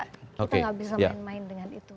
kita nggak bisa main main dengan itu